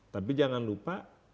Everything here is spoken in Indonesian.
tapi jangan lupa